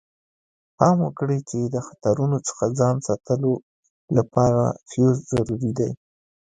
پام وکړئ چې د خطرونو څخه ځان ساتلو لپاره فیوز ضروري دی.